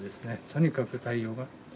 とにかく対応が。